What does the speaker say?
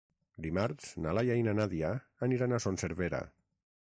Dimarts na Laia i na Nàdia aniran a Son Servera.